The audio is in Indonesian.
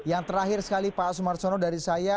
yang terakhir sekali pak asmar sonno dari saya